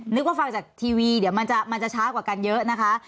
นึกว่าฟังจากทีวีเดี๋ยวมันจะช้ากว่ากันเยอะนะคะ